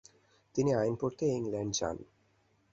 তিনি আইন পড়তে ইংল্যান্ড যান।